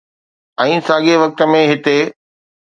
۽ ساڳئي وقت ۾ هتي